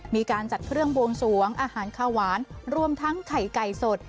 มีการจัดเครื่องบวงสวงอาหารข้าวหวานรวมทั้งไข่ไก่สด